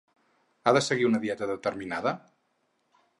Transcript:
Ha de seguir una dieta determinada?